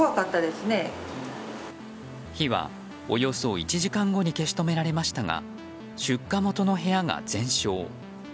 火はおよそ１時間後に消し止められましたが出火元の部屋が全焼。